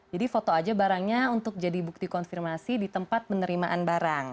jadi foto aja barangnya untuk jadi bukti konfirmasi di tempat penerimaan barang